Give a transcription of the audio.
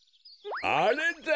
あれだ！